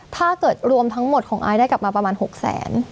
ถ้าเกิดรวมทั้งหมดของอายได้กลับมาประมาณ๖แสน